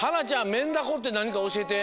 メンダコってなにかおしえて。